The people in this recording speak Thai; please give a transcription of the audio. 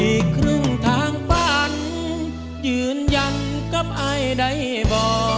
อีกครึ่งทางฝันยืนยันกับอายได้บ่